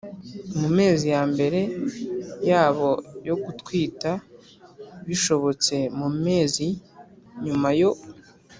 mu mezi ya mbere yabo yo gutwita bishobotse mu mezi nyuma yo